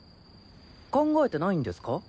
考えてないんですか？